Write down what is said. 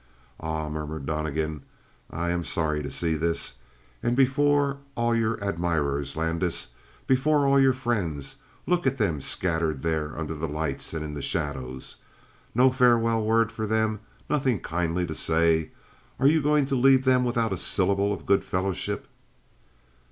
"Ah," murmured Donnegan, "I am sorry to see this. And before all your admirers, Landis. Before all your friends. Look at them scattered there under the lights and in the shadows. No farewell word for them? Nothing kindly to say? Are you going to leave them without a syllable of goodfellowship?"